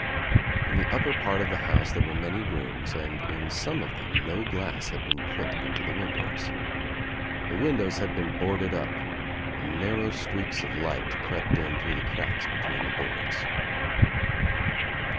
In the upper part of the house there were many rooms and in some of them no glass had been put into the windows. The windows had been boarded up and narrow streaks of light crept in through the cracks between the boards.